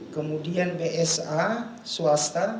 kemudian bsa swasta